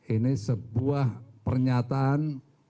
ini sebuah pernyataan